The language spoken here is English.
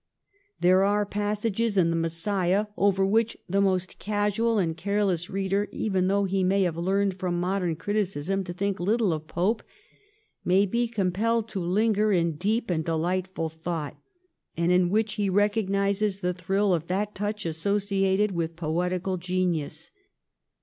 There are passages in ' The Messiah ' over which the most casual and careless reader, even though he may have learned from modern criticism to think little of Pope, may be com pelled to linger in deep and delightful thought, and in which he recognises the thrill of that touch associated with poetical genius.